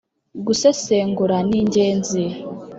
Gusesengura ningenzi.